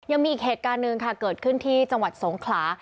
ยังมีอีกเหตุการณ์หนึ่งค่ะเกิดขึ้นที่จังหวัดสงขลา